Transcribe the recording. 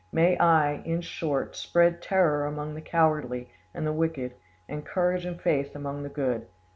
May I, in short, spread terror among the cowardly and wicked, and courage and faith among the good!